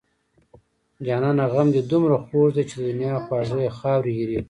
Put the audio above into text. جانانه غم دې دومره خوږ دی چې د دنيا خواږه يې خاورې ايرې کړنه